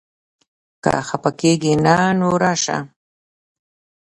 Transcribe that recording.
که خپه کېږې نه؛ نو راشه!